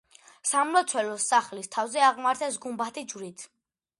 სამლოცველოს სახლის თავზე აღმართეს გუმბათი ჯვრით.